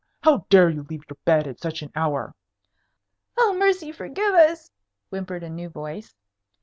How dare you leave your bed at such an hour?" "Oh, mercy forgive us!" whimpered a new voice.